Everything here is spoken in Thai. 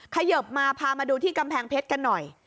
เขยิบมาพามาดูที่กำแพงเพชรกันหน่อย